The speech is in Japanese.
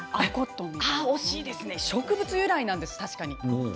惜しいです、植物由来なんです、確かに。